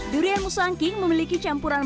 durian nusanking memiliki campuran